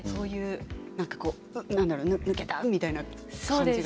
むけたみたいな感じが。